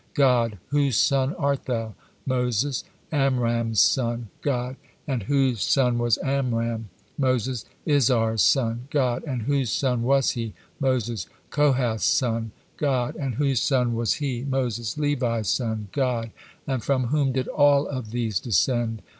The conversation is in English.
God: "Whose son art thou?" Moses: "Amram's son." God: "And whose son was Amram?" Moses: "Izhar's son." God: "And whose son was he?" Moses: "Kohath's son." God: "And whose son was he?" Moses: "Levi's son." God: "And from whom did all of these descend?"